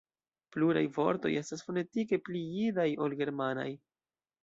Pluraj vortoj estas fonetike pli jidaj ol germanaj.